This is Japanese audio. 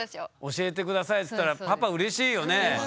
「教えて下さい」っつったらパパうれしいよね。